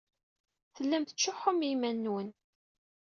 Tellam tettcuḥḥum i yiman-nwen.